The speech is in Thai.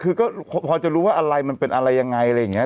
คือก็พอจะรู้ว่าอะไรมันเป็นอะไรยังไงอะไรอย่างนี้